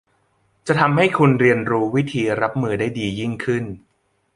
จะทำให้คุณเรียนรู้วิธีรับมือได้ดียิ่งขึ้น